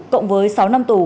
cộng với sáu năm tù